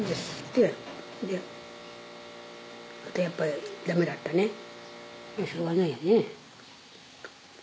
やっぱりダメだったね。